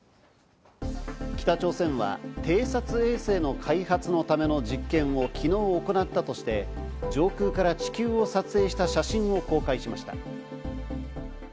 北朝鮮は偵察衛星の開発のための実験を昨日行ったとして、上空から地球を撮影した写真を公開しました。